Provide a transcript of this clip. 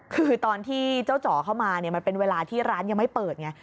คือตอนที่เจ้าจ๋อเข้ามาเนี่ยมันเป็นเวลาที่ร้านยังไม่เปิดไง